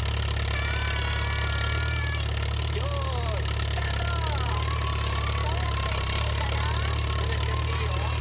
はなしあっていいよ。